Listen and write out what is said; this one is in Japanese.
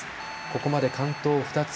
ここまで完登２つ。